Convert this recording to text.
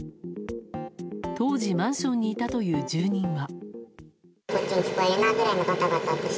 当時、マンションにいたという住民は。